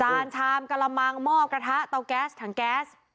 จานชามกระลำมังมอบกระทะเตาแก๊สถังแก๊ส